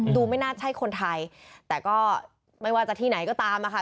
ไม่น่าใช่คนไทยแต่ก็ไม่ว่าจะที่ไหนก็ตามอะค่ะ